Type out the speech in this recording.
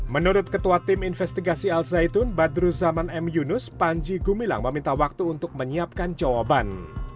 menurut ketua tim investigasi al zaitun badru zaman m yunus panji gumilang meminta waktu untuk menyiapkan jawaban